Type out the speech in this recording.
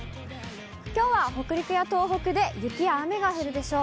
きょうは北陸や東北で雪や雨が降るでしょう。